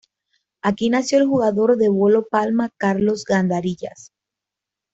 Aquí nació el jugador de bolo palma Carlos Gandarillas.